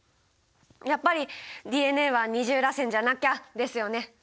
やっぱりＤＮＡは二重らせんじゃなきゃですよね。